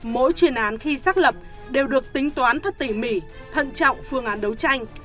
mỗi chuyên án khi xác lập đều được tính toán thật tỉ mỉ thận trọng phương án đấu tranh